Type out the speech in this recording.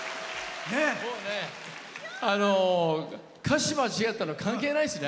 もうね、歌詞間違ったの関係ないですね。